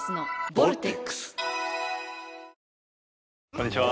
こんにちは。